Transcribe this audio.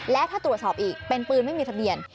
และถ้าตรวจสอบอีกเป็นปืนไม่มีทะเบียน